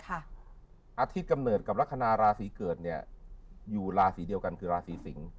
อาทิตย์กำเนิดกับลักษณะราศีเกิดเนี่ยอยู่ราศีเดียวกันคือราศีสิง